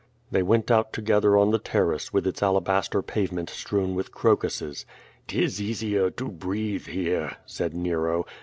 They went out together on the terrace, with its alabaster pavement strewn with crocuses. " 'Tis easier to breathe here," said Nero.